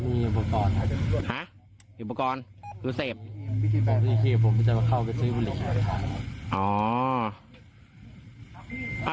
มีอุปกรณ์อ่ะอุปกรณ์คือเสพผมจะมาเข้าไปซื้อบุหรี่อ๋อ